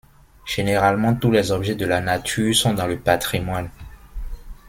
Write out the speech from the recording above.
Généralement tous les objets de la nature sont dans le patrimoine.